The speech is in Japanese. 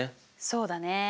そうだね。